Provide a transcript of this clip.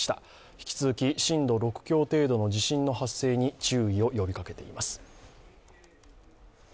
引き続き震度６強程度の地震の発生に注意を呼びかけています。